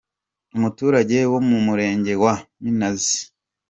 umuturage wo mu Murenge wa Minazi